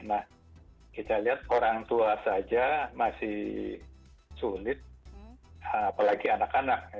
nah kita lihat orang tua saja masih sulit apalagi anak anak